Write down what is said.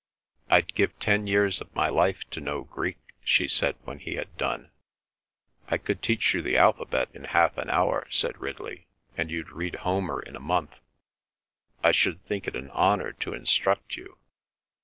"I'd give ten years of my life to know Greek," she said, when he had done. "I could teach you the alphabet in half an hour," said Ridley, "and you'd read Homer in a month. I should think it an honour to instruct you."